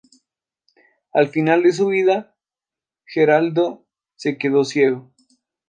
Al final de su vida, Geraldo se quedó ciego.